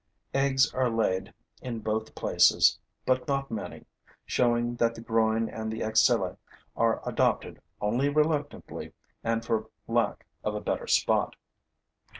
Eggs are laid in both places, but not many, showing that the groin and the axilla are adopted only reluctantly and for lack of a better spot.